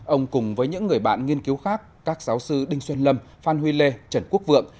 ông cùng với những người bạn nghiên cứu khác các giáo sư đinh xuân lâm phan huy lê trần quốc vượng